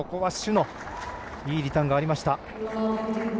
朱のいいリターンがありました。